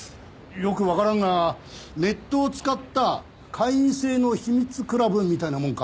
よくわからんがネットを使った会員制の秘密クラブみたいなもんか？